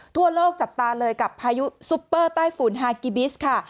ทั่วโลกจับตาเลยกับพายุซุปเปอร์ใต้ฝุ่นฮากิบิสค่ะ